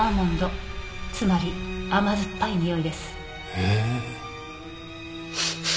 へえ。